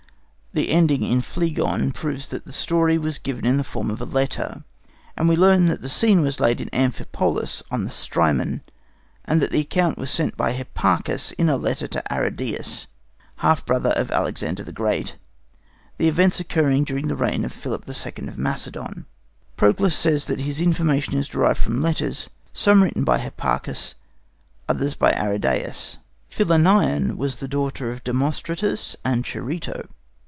The ending in Phlegon proves that the story was given in the form of a letter, and we learn that the scene was laid at Amphipolis, on the Strymon, and that the account was sent by Hipparchus in a letter to Arrhidæus, half brother of Alexander the Great, the events occurring during the reign of Philip II. of Macedon. Proclus says that his information is derived from letters, "some written by Hipparchus, others by Arrhidæus." Philinnion was the daughter of Demostratus and Charito.